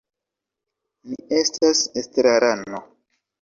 Mi estas estrarano.